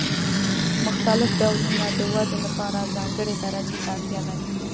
مختلف ډولونه د ودې لپاره ځانګړې درجې ته اړتیا لري.